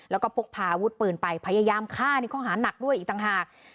แล้วก็พกพาอาวุธปืนไปพยายามฆ่าในข้อหานักด้วยอีกต่างหาก